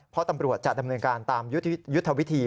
เพราะตำรวจจะดำเนินการตามยุทธวิธี